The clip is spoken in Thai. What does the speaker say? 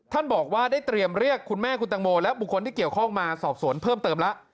บอกว่าได้เตรียมเรียกคุณแม่คุณตังโมและบุคคลที่เกี่ยวข้องมาสอบสวนเพิ่มเติมแล้ว